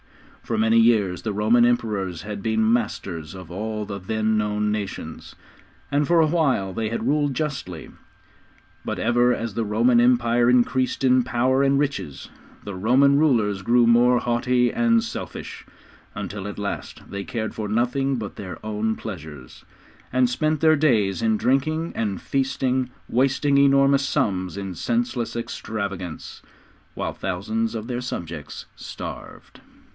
For many years the Roman Emperors had been masters of all the then known nations, and for awhile they had ruled justly; but ever as the Roman Empire increased in power and riches, the Roman rulers grew more haughty and selfish, until at last they cared for nothing but their own pleasures, and spent their days in drinking and feasting, wasting enormous sums in senseless extravagance, while thousands of their subjects starved.